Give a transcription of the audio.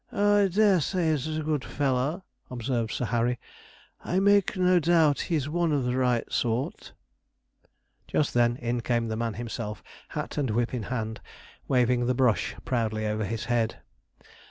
'Oh, I dare say he's a good feller,' observed Sir Harry; 'I make no doubt he's one of the right sort.' Just then in came the man himself, hat and whip in hand, waving the brush proudly over his head.